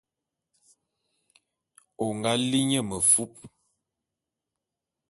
O nga li nye mefup.